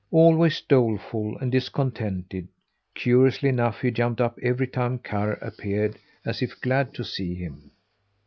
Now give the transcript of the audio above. Always doleful and discontented, curiously enough he jumped up every time Karr appeared as if glad to see him.